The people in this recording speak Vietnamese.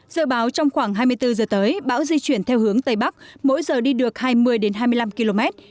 dự báo trong khoảng hai mươi bốn giờ tới bão di chuyển theo hướng tây bắc mỗi giờ đi được hai mươi hai mươi năm km